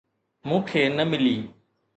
مون کي نه ملي.